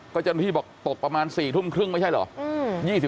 ก็จนพี่บอกตกประมาณ๔ทุ่มครึ่งไม่ใช่หรือ